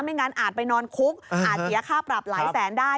งั้นอาจไปนอนคุกอาจเสียค่าปรับหลายแสนได้